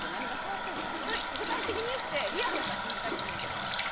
それ具体的に言ってリアルやったら信じてあげてもいいけど。